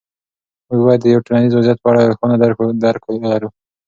موږ باید د یو ټولنیز وضعیت په اړه روښانه درک ولرو.